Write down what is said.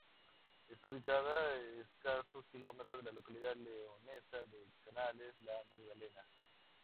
Está ubicado a escasos kilómetros de la localidad leonesa de Canales-La Magdalena.